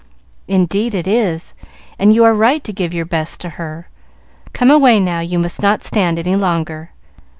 "Indeed it is; and you are right to give your best to her. Come away now, you must not stand any longer.